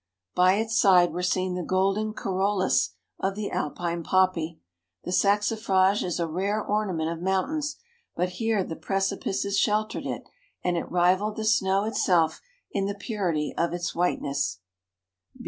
By its side were seen the golden corollas of the Alpine poppy. The saxifrage is a rare ornament of mountains, but here the precipices sheltered it; and it rivalled the snow itself in the purity of its whiteness.